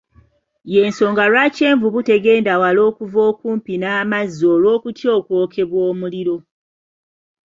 Y'ensonga Iwaki envubu tegenda wala okuva okumpi n'amazzi olw'okutya okwokebwa omuliro.